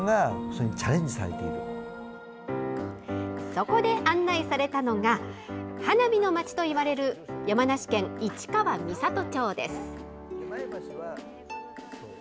そこで案内されたのが花火の町といわれる山梨県市川三郷町です。